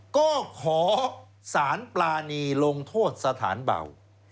ก็ขอสารปรานีลงโทษสถานเบา